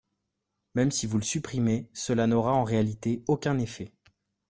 Même si vous le supprimez, cela n’aura en réalité aucun effet.